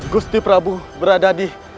gusti prabu berada di